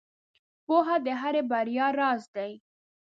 • پوهه د هرې بریا راز دی.